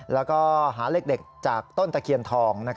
แล้วก็หาเลขเด็ดจากต้นตะเคียนทอง